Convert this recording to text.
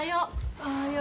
おはよう。